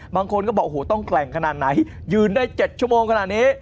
บางคนก็บอกโอ้โหต้องแกร่งขนาดไหนยืนได้๗ชั่วโมงขนาดนี้